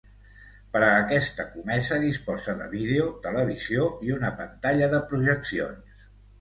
Per a aquesta comesa disposa de vídeo, televisió i una pantalla de projeccions.